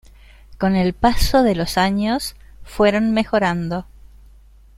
Con el paso de los años, fueron mejorando.